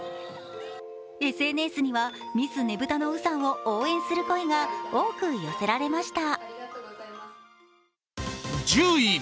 ＳＮＳにはミスねぶたの呉さんを応援する声が多く寄せられました。